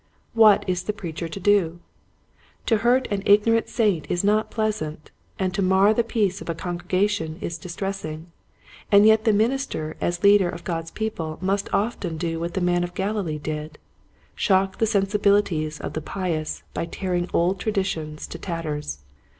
What is the preacher to do 1 To hurt an ignorant saint is not pleasant and to mar the peace of a congregation is distressing, and yet the minister as leader of God's people must often do what the Man of Galilee did, shock the sensibilities of the pious by tearing old traditions to tatters.